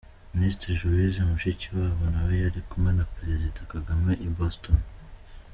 Minisitiri Louise Mushikiwabo nawe yari kumwe na Perezida Kagame i Boston.